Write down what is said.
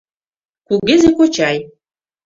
КУГЕЗЕ КОЧАЙ